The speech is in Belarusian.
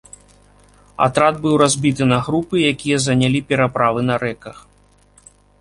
Атрад быў разбіты на групы, якія занялі пераправы на рэках.